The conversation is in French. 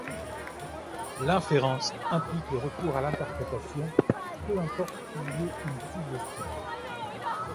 L'inférence implique le recours à l'interprétation, peu importe qu'il y ait une suggestion.